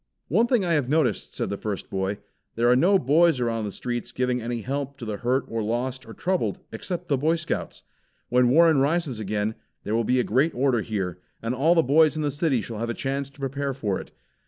"One thing I have noticed," said the first boy. "There are no boys around the streets giving any help to the hurt or lost or troubled except the Boy Scouts. When Warsaw rises again, there will be a great order here, and all the boys in the city shall have a chance to prepare for it."